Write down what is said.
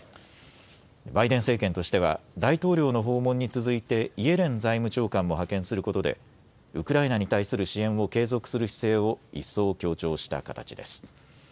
バイデン政権としては大統領の訪問に続いてイエレン財務長官も派遣することでウクライナに対する支援を継続する姿勢を一層強調した形です。